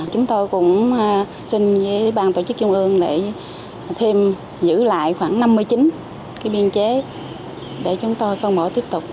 chúng tôi cũng xin với ban tổ chức trung ương để thêm giữ lại khoảng năm mươi chín biên chế để chúng tôi phân bổ tiếp tục